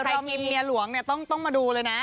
ใครทีมเมียหลวงต้องมาดูเลยนะ